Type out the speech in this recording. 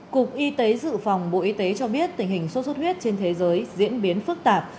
cục y tế dự phòng bộ y tế cho biết tình hình sốt xuất huyết trên thế giới diễn biến phức tạp